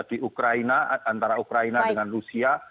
di ukraina antara ukraina dengan rusia